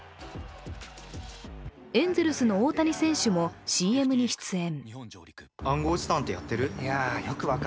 エンゼルスの大谷選手もＣＭに出演。